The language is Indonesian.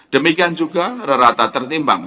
demikian juga rata tertimbang